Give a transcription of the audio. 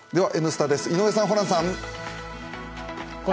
「Ｎスタ」です、井上さん、ホランさん。